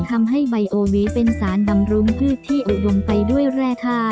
ทำให้ใบโอเวเป็นสารดำรุงพืชที่อุดมไปด้วยราคา